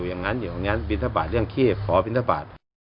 อย่างนั้นอย่างนั้นบิณฑบาตเรื่องเครียบขอบิณฑบาต